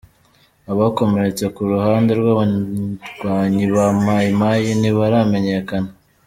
Abakomeretse ku ruhande rw’Abarwanyi ba Mai Mai ntibaramenyekana.